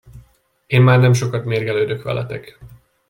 Én már nem sokat mérgelődök veletek.